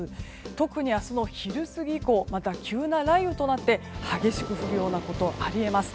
特に明日の昼過ぎ以降また急な雷雨となって激しく降るようなことがあり得ます。